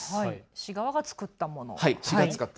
市側が作ったものですね。